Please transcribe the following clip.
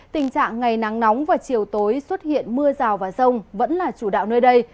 tình trạng ngày nắng nóng và chiều tối xuất hiện mưa rào và rông vẫn là chủ đạo nơi đây